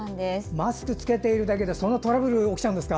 マスクを着けているだけでそんなトラブルが起きちゃうんですか。